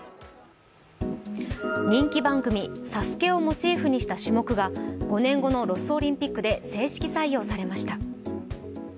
人気番組「ＳＡＳＵＫＥ」をモチーフにした種目が５年後のロスオリンピックで正式採用されました。